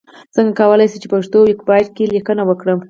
څنګه کولی شم چې پښتو ويکيپېډيا کې ليکنې وکړم؟